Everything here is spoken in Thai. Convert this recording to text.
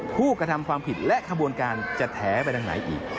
ผู้กระทำความผิดและขบวนการจะแถไปทางไหนอีก